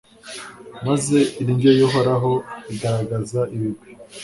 maze indyo y’Uhoraho igaragaza ibigwi